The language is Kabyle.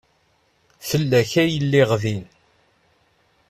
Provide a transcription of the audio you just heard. Fell-ak ay lliɣ din.